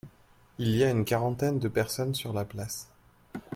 Il y a une quarantaine de personnes sur la place.